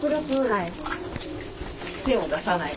はい。